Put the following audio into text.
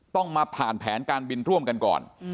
ต้องมาผ่านแผนการบินร่วมกันก่อน